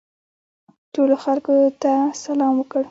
ټولو خلکو هغه ته سلام وکړ.